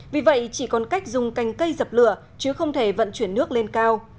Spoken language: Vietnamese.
vì vậy chỉ còn cách dùng canh cây dập lửa chứ không thể vận chuyển nước lên cao